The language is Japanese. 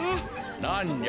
なんじゃ。